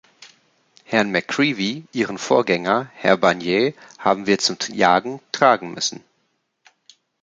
Herrn McCreevy Ihren Vorgänger, Herr Barnier haben wir zum Jagen tragen müssen.